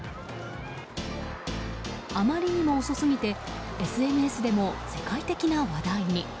あまりにも遅すぎてＳＮＳでも世界的な話題に。